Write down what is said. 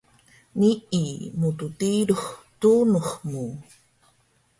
Nii mttilux tunux mu